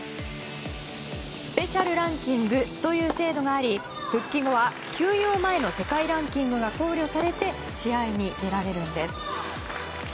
スペシャル・ランキングという制度があり復帰後は休養前の世界ランキングが考慮されて試合に出られるんです。